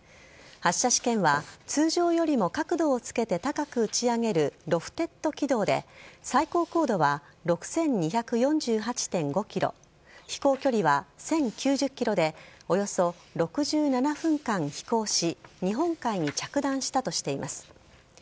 発射試験は、通常よりも角度をつけて高く打ち上げるロフテッド軌道で最高高度は６２４８．５ｋｍ飛行距離は１０９０ｋｍでおよそ６７分間飛行し日本海に着弾したとしています。